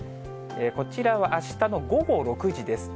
こちらはあしたの午後６時です。